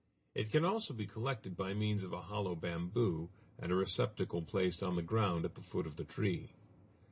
It can also be collected by means of a hollow bamboo, and a receptacle placed on the ground at the foot of the tree.